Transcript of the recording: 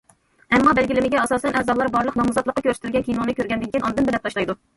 ئەمما بەلگىلىمىگە ئاساسەن، ئەزالار بارلىق نامزاتلىققا كۆرسىتىلگەن كىنونى كۆرگەندىن كېيىن ئاندىن بېلەت تاشلايدۇ.